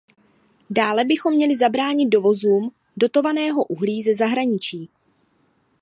Dále bychom měli zabránit dovozům dotovaného uhlí ze zahraničí.